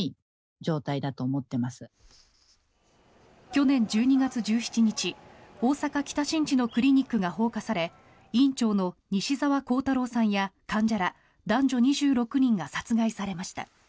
去年１２月１７日大阪・北新地のクリニックが放火され院長の西澤弘太郎さんや患者ら男女２６人が殺害されました。